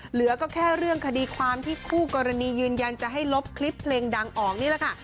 เหลือก็แค่เรื่องคดีความที่คู่กรณียืนยันจะให้ลบคลิปเพลงดังออกนี่แหละค่ะ